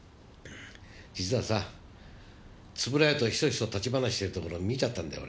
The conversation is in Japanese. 実はさ円谷とひそひそ立ち話してるところ見ちゃったんだよ